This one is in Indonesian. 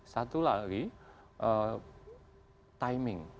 satu lagi timing